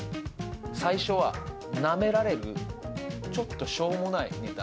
最初はなめられる、ちょっとしょうもないネタ。